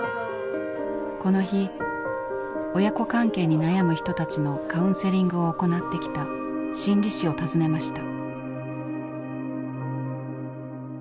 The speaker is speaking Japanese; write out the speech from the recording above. この日親子関係に悩む人たちのカウンセリングを行ってきた心理師を訪ねました。